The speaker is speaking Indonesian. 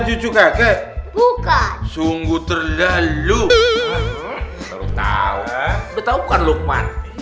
cucu kakek bukan sungguh terlalu tahu tahu kan lukman